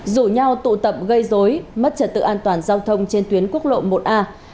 dù nhau tụ tập gây rối mất trật tự an toàn giao thông trên tuyến quốc lộ một a